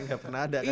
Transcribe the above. gak pernah ada kan